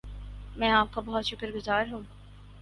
میں آپ کا بہت شکر گزار ہوں